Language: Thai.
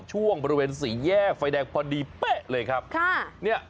ช่วงบริเวณสี่แยกไฟแดงพอดีเป๊ะเลยครับค่ะเนี่ย